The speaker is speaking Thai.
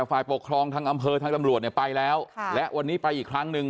ฝ่ายปกครองทางอำเภอทางตำรวจเนี่ยไปแล้วค่ะและวันนี้ไปอีกครั้งหนึ่ง